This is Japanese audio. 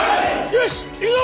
よしいくぞ！